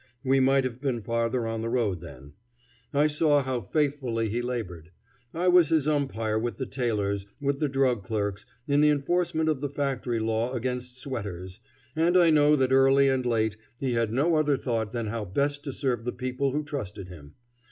We might have been farther on the road then. I saw how faithfully he labored. I was his umpire with the tailors, with the drug clerks, in the enforcement of the Factory Law against sweaters, and I know that early and late he had no other thought than how best to serve the people who trusted him.